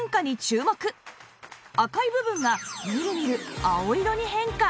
赤い部分がみるみる青色に変化！